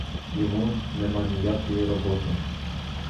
Йому нема ніякої роботи!